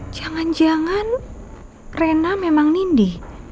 jangan jangan rena memang nindi